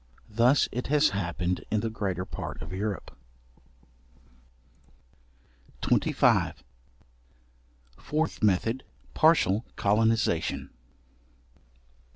Thus it has happened in the greater part of Europe. §25. Fourth Method. Partial colonization.